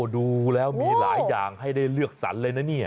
ดูแล้วมีหลายอย่างให้ได้เลือกสรรเลยนะเนี่ย